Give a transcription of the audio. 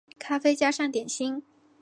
咖啡加上点心